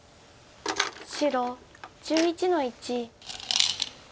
白１１の一。